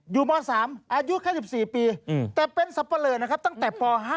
อยู่ม๓อายุ๓๔ปีแต่เป็นสับปะเลินนะครับตั้งแต่ป๕นะ